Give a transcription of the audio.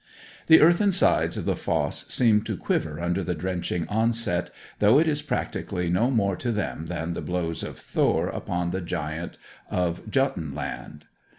The earthen sides of the fosse seem to quiver under the drenching onset, though it is practically no more to them than the blows of Thor upon the giant of Jotun land.